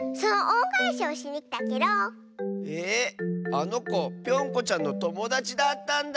あのこぴょんこちゃんのともだちだったんだ。